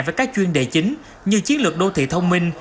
với các chuyên đề chính như chiến lược đô thị thông minh